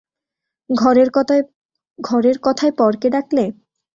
ঘরের কথায় পরকে ডাকলে?